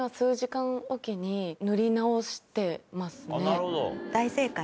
なるほど。